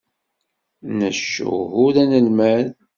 Nec uhu d anelmad.